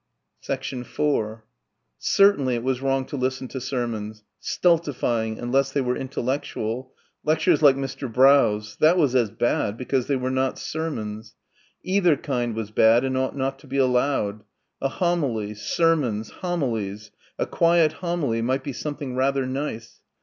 4 Certainly it was wrong to listen to sermons ... stultifying ... unless they were intellectual ... lectures like Mr. Brough's ... that was as bad, because they were not sermons.... Either kind was bad and ought not to be allowed ... a homily ... sermons ... homilies ... a quiet homily might be something rather nice